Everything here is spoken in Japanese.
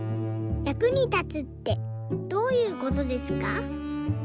役に立つってどういうことですか？」。